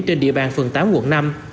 trên địa bàn phường tám quận năm